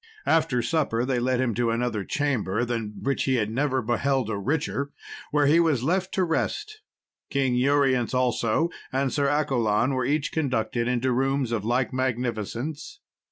After supper they led him to another chamber, than which he had never beheld a richer, where he was left to rest. King Urience, also, and Sir Accolon were each conducted into rooms of like magnificence.